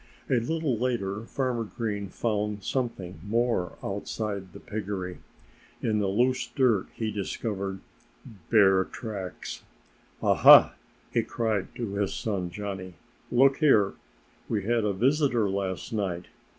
A little later Farmer Green found something more outside the piggery. In the loose dirt he discovered bear tracks! "Aha!" he cried to his son Johnnie. "Look here! We had a visitor last night.